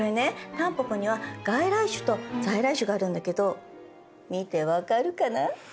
タンポポには外来種と在来種があるんだけど見て分かるかな？